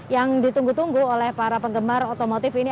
yang ditunggu tunggu oleh para penggemar otomotif ini